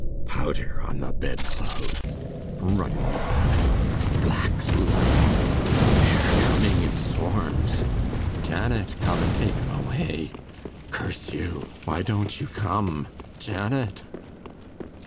powder on the bed clothes ... running about ... black lice ... they are coming in swarms ... Janet! come and take them away ... curse you! why don't you come? Janet!